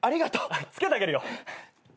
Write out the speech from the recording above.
着けてあげるよ。